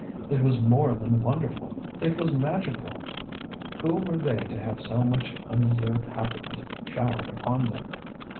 It was more than wonderful—it was magical. Who were they to have so much undeserved happiness showered upon them?